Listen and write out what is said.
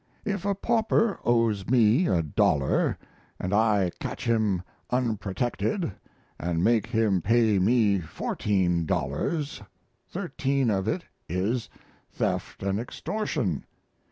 If a pauper owes me a dollar and I catch him unprotected and make him pay me fourteen dollars thirteen of it is "theft and extortion."